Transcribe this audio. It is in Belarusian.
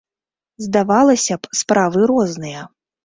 Здавалася б, справы розныя.